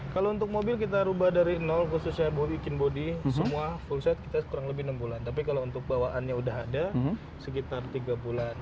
kalau untuk mobil kita ubah dari nol khususnya bikin bodi semua full set kita kurang lebih enam bulan tapi kalau untuk bawaannya udah ada sekitar tiga bulan